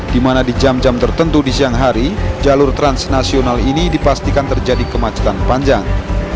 di mana di jam jam tertentu di siang hari jalur transnasional ini dipastikan terjadi kemacetan panjang